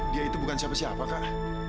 dia itu bukan siapa siapa kak